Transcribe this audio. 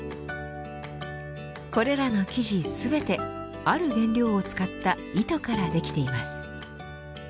これらの生地全てある原料を使った糸からできています。